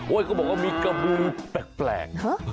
เว้ยก็บอกว่ามีกระบื้อแปลก